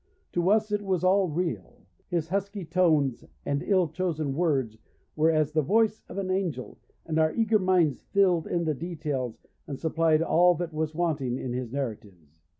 To us it was all real. His husky tones and ill chosen words were as the voice of an angel, and our eager minds filled in the details and supplied all that was wanting in his narratives.